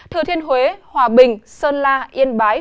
thừa thiên huế hòa bình sơn la yên bái